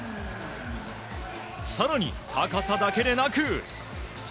さらに、高さだけでなく。